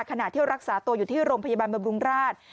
ขณะเที่ยวรักษาตัวอยู่ที่โรงพยาบาลบำรุงราช